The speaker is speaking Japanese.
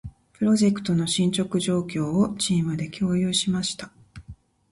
プロジェクトの進捗状況を、チームで共有しました。